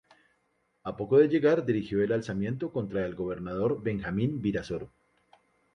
A poco de llegar dirigió el alzamiento contra el gobernador Benjamín Virasoro.